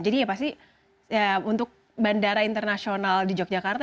jadi ya pasti untuk bandara internasional di yogyakarta